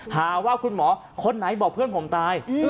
หาว่าคุณหมอคนไหนบอกเพื่อนผมตาย